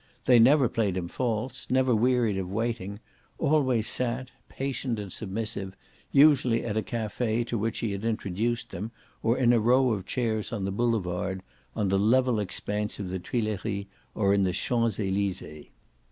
They never played him false, never wearied of waiting; always sat patient and submissive, usually at a cafe to which he had introduced them or in a row of chairs on the boulevard, on the level expanse of the Tuileries or in the Champs Elysees.